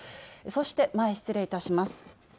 そして、前失礼いたします。